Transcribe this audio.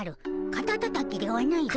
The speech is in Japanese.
カタタタキではないぞ。